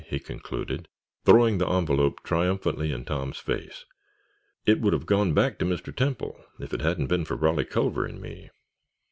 he concluded, throwing the envelope triumphantly in Tom's face. "It would have gone back to Mr. Temple if it hadn't been for Rolly Culver and me!"